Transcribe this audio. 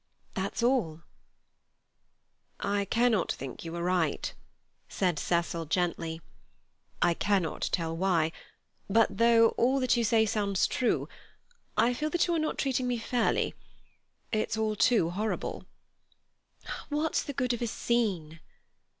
That's all." "I cannot think you were right," said Cecil gently. "I cannot tell why, but though all that you say sounds true, I feel that you are not treating me fairly. It's all too horrible." "What's the good of a scene?"